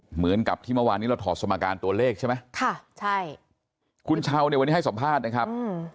เหมือนกับที่เมื่อวานนี้เราถอดสมการตัวเลขใช่ไหมค่ะใช่คุณเช้าเนี่ยวันนี้ให้สัมภาษณ์นะครับ